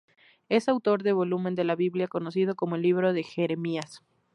Es autor del volumen de la Biblia conocido como el Libro de Jeremías.